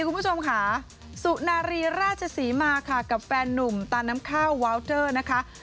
คุณผู้ชมค่ะสุนารีราชศรีมาค่ะกับแฟนนุ่มตาน้ำข้าววาวเตอร์นะคะ